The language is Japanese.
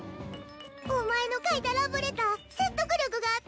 お前の書いたラブレター説得力があったんかな。